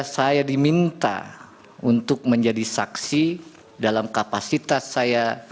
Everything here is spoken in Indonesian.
saya diminta untuk menjadi saksi dalam kapasitas saya